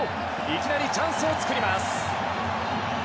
いきなりチャンスを作ります。